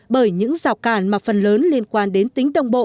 bởi những rào cản mà phần lớn liên quan đến tính đồng bộ